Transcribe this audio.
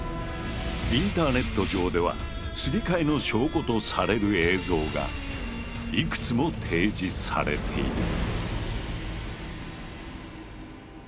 インターネット上ではすり替えの証拠とされる映像がいくつも提示されている。